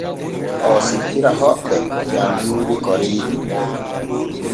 Oo sippira hoɓɓe nyamduuli koriiɗi.